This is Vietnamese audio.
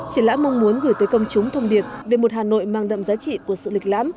triển lãm mong muốn gửi tới công chúng thông điệp về một hà nội mang đậm giá trị của sự lịch lãm